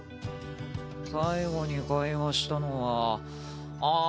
最後に会話したのはああ